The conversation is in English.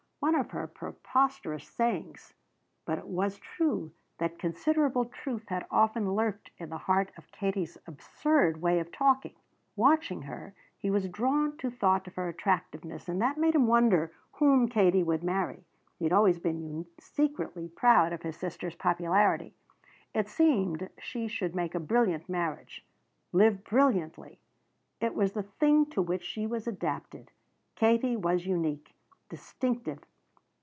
One of her preposterous sayings but it was true that considerable truth had often lurked at the heart of Katie's absurd way of talking. Watching her, he was drawn to thought of her attractiveness and that made him wonder whom Katie would marry. He had always been secretly proud of his sister's popularity; it seemed she should make a brilliant marriage. Live brilliantly. It was the thing to which she was adapted. Katie was unique. Distinctive.